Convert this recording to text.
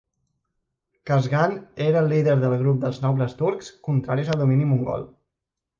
Qazghan era el líder del grup de nobles turcs contraris al domini mongol.